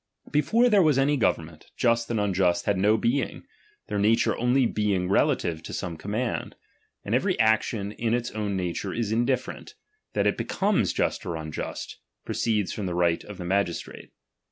Before there ^H was any government, just and unjtist had no ^H being, their nature only being relative to some ^H command : and every action in its own nature is ^H indiflFerent ; that it becomes just or unjust, pro ^H ceeds from the right of the magistrate.